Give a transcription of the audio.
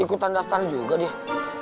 ikutan daftar juga di motor